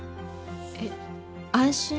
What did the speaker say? えっ安心？